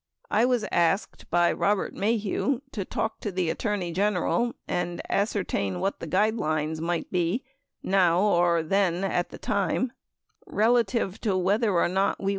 I was asked [by Kobert Maheu] to talk to the Attorney General and ascertain w r hat the guidelines might be, now or then at the time, rela 27 21 Hearings 10044.